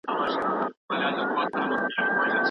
د هيواد اقتصادي حالت په چټکۍ سره بدلون وموند.